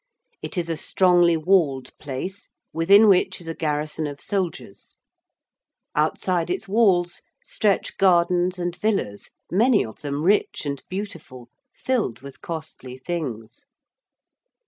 It is a strongly walled place, within which is a garrison of soldiers; outside its walls stretch gardens and villas, many of them rich and beautiful, filled with costly things.